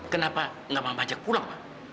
kenapa gak mama ajak pulang ma